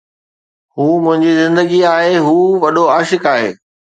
هو منهنجي زندگي آهي، هو وڏو عاشق آهي